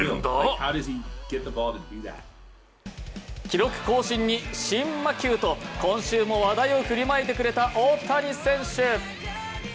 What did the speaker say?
記録更新に新魔球と今週も話題を振りまいてくれた大谷選手。